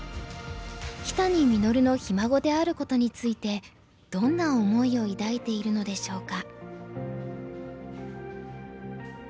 木谷實のひ孫であることについてどんな思いを抱いているのでしょうか。